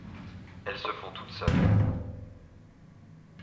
Elles se font toutes seules.